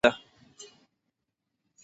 کېږدۍ ودرېده.